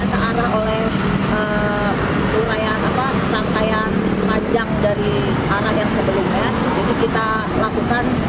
kita lakukan untuk pengamu